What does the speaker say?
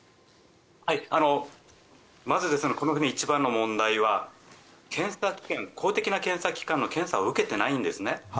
まず、一番の問題は公的な検査機関の検査を受けていないんですね。